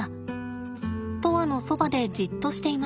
砥愛のそばでじっとしています。